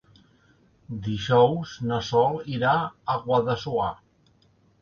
Dijous na Sol irà a Guadassuar.